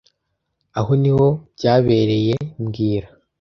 Aho niho byabereye mbwira